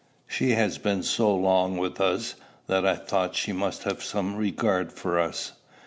"She had been so long with us, that I thought she must have some regard for us."